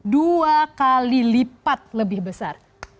dua kali lipat lebih besar